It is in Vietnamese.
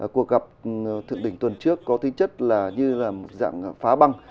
cuộc gặp thượng đỉnh tuần trước có tính chất là như là một dạng phá băng